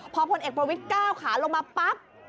พอพลเอกประวิทย์ก้าวขาลงมาปั๊บ